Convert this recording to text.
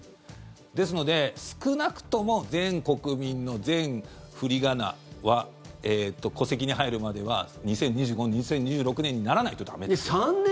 ですので、少なくとも全国民の全振り仮名は戸籍に入るまでは２０２５年、２０２６年にならないと駄目です。